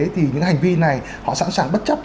thì những hành vi này họ sẵn sàng bất chấp